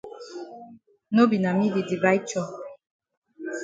No be na me di divide chop.